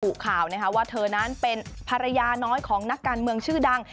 ข่าวนะคะว่าเธอนั้นเป็นภรรยาน้อยของนักการเมืองชื่อดัง